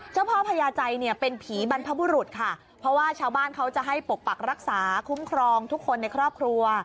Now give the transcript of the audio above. เจ้าพ่อพญาใจเนี่ยเป็นผีบรรพบุรุษค่ะเพราะว่าชาวบ้านเขาจะให้ปกปักรักษาคุ้มครองทุกคนในครอบครัว